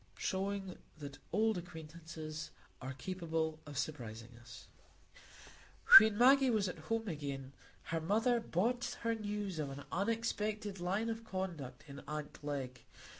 Showing That Old Acquaintances Are Capable of Surprising Us When Maggie was at home again, her mother brought her news of an unexpected line of conduct in aunt Glegg.